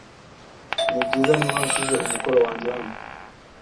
Nibyiza niba nsize umukoro wanjye hano?